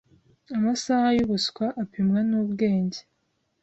Amasaha yubuswa apimwa nubwubwenge